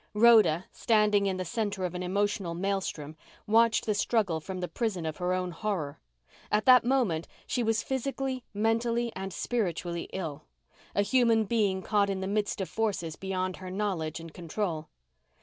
Rhoda, standing in the center of an emotional maelstrom, watched the struggle from the prison of her own horror. At that moment she was physically, mentally and spiritually ill; a human being caught in the midst of forces beyond her knowledge and control.